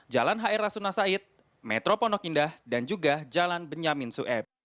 jalan hr rasunasait metro ponokindah dan juga jalan benyamin sueb